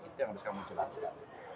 itu yang harus kamu jelaskan